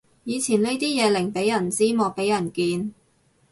以前呢啲嘢寧俾人知莫俾人見